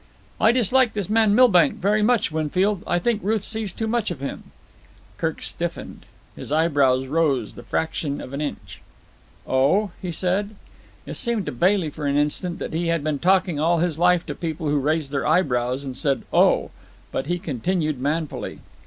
"I dislike this man Milbank very much, Winfield. I think Ruth sees too much of him." Kirk stiffened. His eyebrows rose the fraction of an inch. "Oh?" he said. It seemed to Bailey for an instant that he had been talking all his life to people who raised their eyebrows and said "Oh!" but he continued manfully.